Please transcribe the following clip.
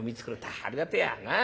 ありがてえやなあ。